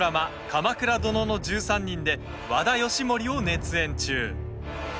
「鎌倉殿の１３人」で和田義盛を熱演中。